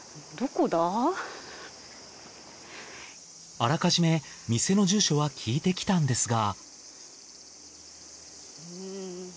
あらかじめ店の住所は聞いてきたんですが。